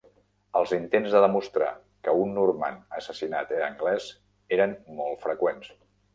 Els intents de demostrar que un normand assassinat era anglès eren molt freqüents.